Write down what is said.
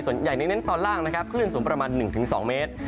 ส่วนใหญ่เน้นตอนล่างนะครับขึ้นสูงประมาณ๑๒เมตร